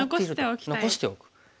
残しておく。